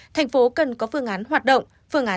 thành phố cần có phương án hoạt động